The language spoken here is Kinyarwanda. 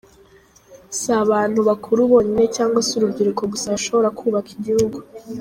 Si abantu bakuru bonyine cyangwa se urubyiruko gusa bashobora kubaka igihugu.